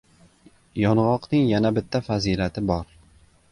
Yong‘oqning yana bitta fazilati bor: